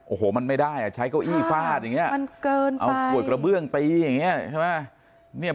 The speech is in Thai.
โอ้โหมันไม่ได้ใช้เก้าอี้ฟาดเอาขวดกระเบื้องไป